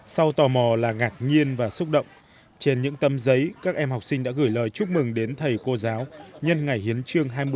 sau tò mò là ngạc nhiên và xúc động trên những tấm giấy các em học sinh đã gửi lời chúc mừng đến thầy cô giáo nhân ngày hiến trương hai mươi tháng một mươi một